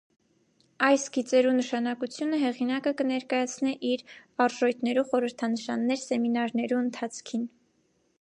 Այս գիծերու նշանակությինը հեղինակը կը ներկայացնէ իր «արժոյթներու խորհրդանշաններ» սեմինարներու ընթացքին։